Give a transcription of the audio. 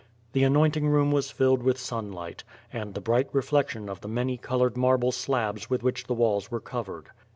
The anointing room was filled with sun:light, and the bright reflection of the many colored marble slabs with which the walls were covered.